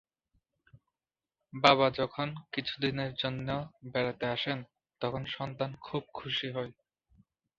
বাবা যখন কিছুদিনের জন্য বেড়াতে আসেন, তখন সন্তান খুব খুশি হয়।